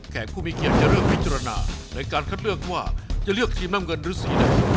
ผู้มีเกียรติจะเลือกพิจารณาในการคัดเลือกว่าจะเลือกทีมน้ำเงินหรือสีน้ำเงิน